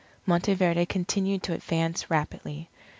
Monteverde continued to advance rapidly.